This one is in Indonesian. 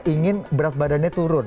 ingin berat badannya turun